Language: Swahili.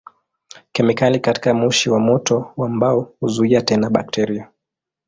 Kemikali katika moshi wa moto wa mbao huzuia tena bakteria.